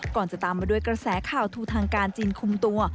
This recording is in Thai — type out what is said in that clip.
จะตามมาด้วยกระแสข่าวทูทางการจีนคุมตัว